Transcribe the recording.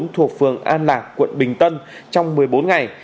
thuộc phường an lạc quận bình tân trong một mươi bốn ngày